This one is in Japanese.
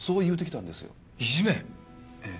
ええ。